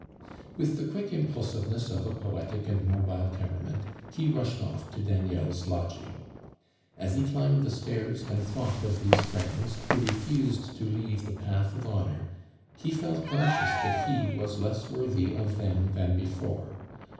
With the quick impulsiveness of a poetic and mobile temperament, he rushed off to Daniel's lodging. As he climbed the stairs, and thought of these friends, who refused to leave the path of honor, he felt conscious that he was less worthy of them than before.